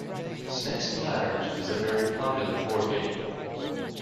Snakes and ladders is a very popular board game